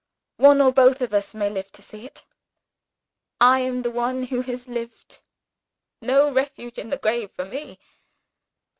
One or both of us may live to see it. I am the one who has lived; no refuge in the grave for me.